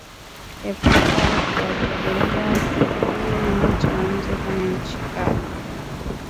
Epuka kuwajeruhi ngamia kwa vitu vyenye ncha kali